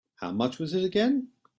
How much was it again?